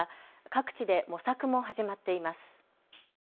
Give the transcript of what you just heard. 各地で模索も始まっています。